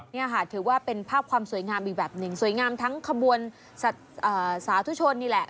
นี่ค่ะถือว่าเป็นภาพความสวยงามอีกแบบหนึ่งสวยงามทั้งขบวนสาธุชนนี่แหละ